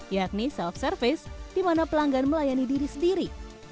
yakni self service di mana pelanggan melayani diri sendiri